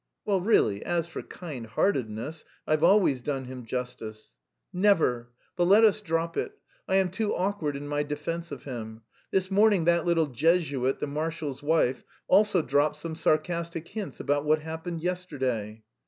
"Well, really, as for kind heartedness... I've always done him justice...." "Never! But let us drop it. I am too awkward in my defence of him. This morning that little Jesuit, the marshal's wife, also dropped some sarcastic hints about what happened yesterday."